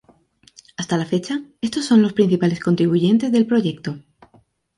Hasta la fecha, estos son los principales contribuyentes del proyecto.